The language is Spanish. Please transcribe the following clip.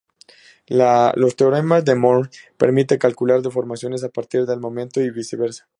Los teoremas de Mohr permiten calcular deformaciones a partir del momento y viceversa.